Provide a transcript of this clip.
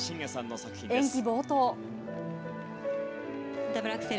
演技冒頭。